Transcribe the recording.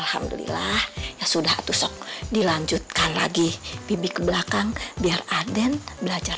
alhamdulillah sudah atuh sok dilanjutkan lagi bibit ke belakang biar aden belajar